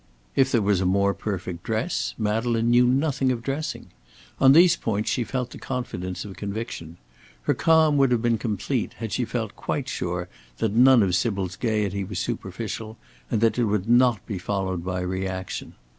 If there was a more perfect dress, Madeleine knew nothing of dressing. On these points she felt the confidence of conviction. Her calm would have been complete, had she felt quite sure that none of Sybil's gaiety was superficial and that it would not be followed by reaction.